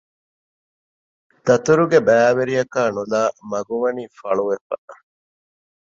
ދަތުރުގެ ބައިވެރިޔަކާ ނުލައި މަގު ވަނީ ފަޅުވެފަ